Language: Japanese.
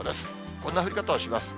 こんな降り方をします。